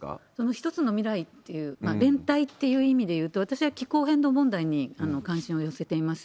一つの未来っていう、連帯っていう意味でいうと、私は気候変動問題に関心を寄せています。